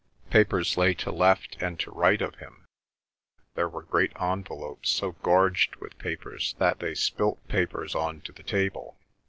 Papers lay to left and to right of him, there were great envelopes so gorged with papers that they spilt papers on to the table.